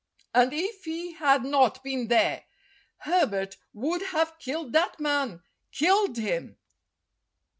And if he had not been there, Herbert would have killed that man killed him!"